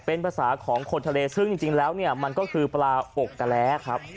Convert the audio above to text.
เป็นภาษาของคนทะเลซึ่งจริงแล้วเนี่ยมันก็คือปลาอกกะแร้ครับ